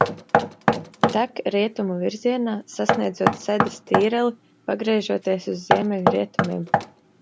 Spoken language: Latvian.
Tek rietumu virzienā, sasniedzot Sedas tīreli pagriežoties uz ziemeļrietumiem.